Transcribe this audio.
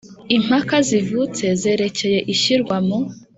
Impaka zivutse zerekeye ishyirwa mu